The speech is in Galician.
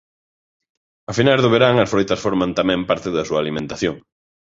A finais do verán as froitas forman tamén parte da súa alimentación.